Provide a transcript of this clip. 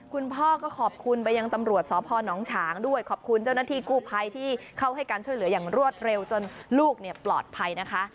คุณพ่อก็ขอบคุณไปยังตำรวจสพนฉางด้วยขอบคุณเจ้าหน้าที่กู้ภัยที่เข้าให้การช่วยเหลืออย่างรวดเร็วจนลูกปลอดภัยนะคะ